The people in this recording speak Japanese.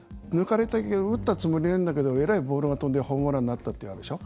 打ったつもりないんだけどえらいボールが飛んでホームランになったっていうのあるでしょ。